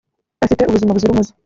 afite ubuzima buzira umuze